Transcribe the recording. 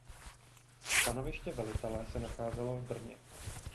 Stanoviště velitele se nacházelo v Brně.